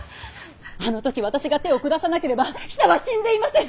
あの時私が手を下さなければヒサは死んでいません。